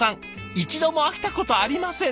「一度も飽きたことありません」